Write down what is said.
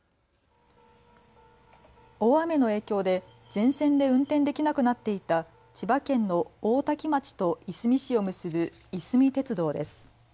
大雨の影響で全線で運転できなくなっていた千葉県の大多喜町といすみ市を結ぶいすみ鉄道です。